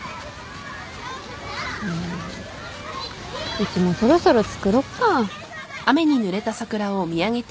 うちもそろそろつくろっか。